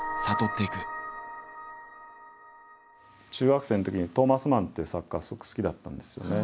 中学生のときにトオマス・マンっていう作家がすごく好きだったんですよね。